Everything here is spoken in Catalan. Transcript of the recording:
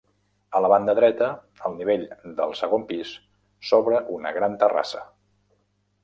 A la banda dreta, al nivell del segon pis, s'obre una gran terrassa.